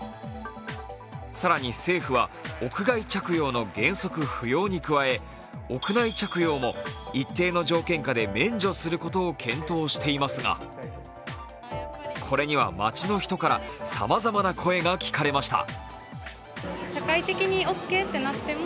更に政府は屋外着用の原則不要に加え、屋内着用も一定の条件下で免除することを検討していますがこれには街の人からさまざまな声が聞かれました。